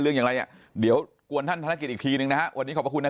เรื่องยังไงเดี๋ยวกวนท่านธนาคิตอีกทีนึงนะวันนี้ขอบคุณนะ